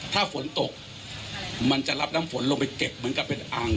ถ้าฝนตกมันจะรับน้ำฝนลงไปเก็บเหมือนกับเป็นอ่าง